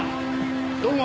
どうも。